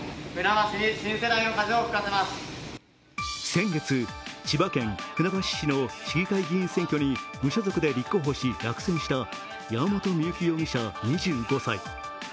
先月、千葉県船橋市の市議会議員選挙で無所属で立候補し落選した山本深雪容疑者、２５歳。